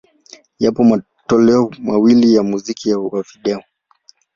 Yapo matoleo mawili ya muziki wa video.